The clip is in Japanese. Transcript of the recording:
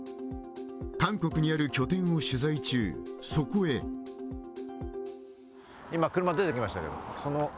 韓国にある拠点を取材中そこへ今車出て来ましたけど。